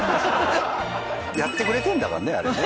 やってくれてるんだからねあれね。